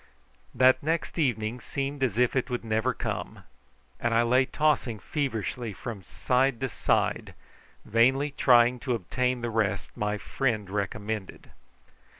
That next evening seemed as it would never come, and I lay tossing feverishly from side to side vainly trying to obtain the rest my friend recommended.